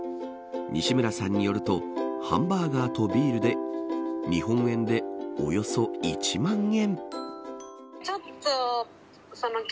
西村さんによるとハンバーガーとビールで日本円でおよそ１万円。